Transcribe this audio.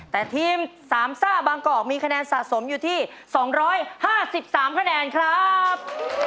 แต่ทีม๓ซ่าบางกอกมีคะแนนสะสมอยู่ที่๒๕๓คะแนนครับ